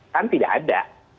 kan tidak ada